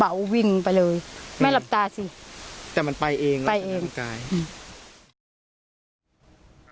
เบาวิ่งไปเลยไม่ลับตาสิแต่มันไปเองไปเองลักษณะการกายอืม